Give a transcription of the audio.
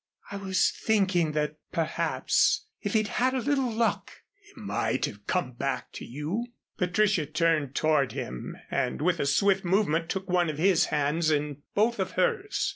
"I was thinking that perhaps if he'd had a little luck " "He might have come back to you?" Patricia turned toward him and with a swift movement took one of his hands in both of hers.